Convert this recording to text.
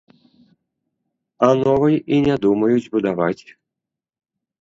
А новай і не думаюць будаваць.